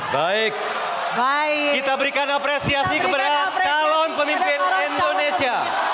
baik kita berikan apresiasi kepada calon pemimpin indonesia